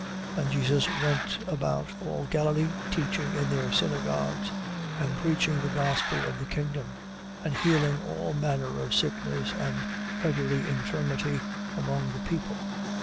4:23. And Jesus went about all Galilee, teaching in their synagogues, and preaching the gospel of the kingdom: and healing all manner of sickness and every infirmity, among the people.